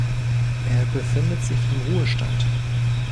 Er befindet sich im Ruhestand.